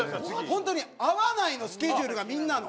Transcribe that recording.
本当に合わないのスケジュールがみんなの。